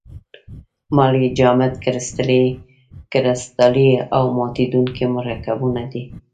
مالګې جامد کرستلي او ماتیدونکي مرکبونه دي.